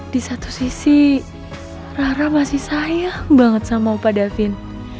di satu sisi rara masih sayang banget sama pak davin